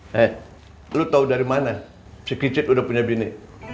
hei lo tau dari mana si kicit udah punya bini